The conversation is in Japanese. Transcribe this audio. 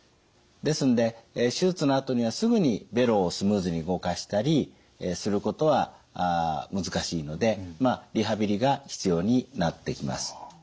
ですので手術のあとにはすぐにベロをスムーズに動かしたりすることは難しいのでリハビリが必要になってきます。